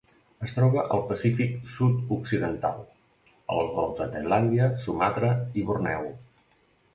Es troba al Pacífic sud-occidental: el Golf de Tailàndia, Sumatra i Borneo.